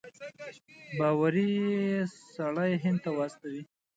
باوري سړی هند ته واستوي.